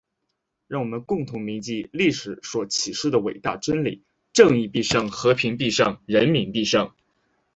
让我们共同铭记历史所启示的伟大真理：正义必胜！和平必胜！人民必胜！